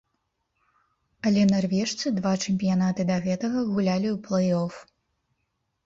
Але нарвежцы два чэмпіянаты да гэтага гулялі ў плэй-оф.